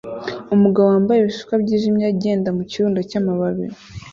Umugabo wambaye ibishishwa byijimye agenda mu kirundo cyamababi